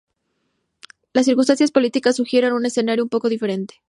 Las circunstancias políticas sugieren un escenario un poco diferente.